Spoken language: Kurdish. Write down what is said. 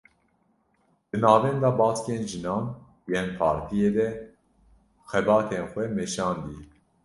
Di navenda baskên jinan yên partiyê de xebatên xwe meşandiye